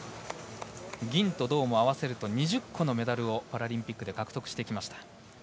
銀と銅も合わせると２０個のメダルをパラリンピックで獲得してきました。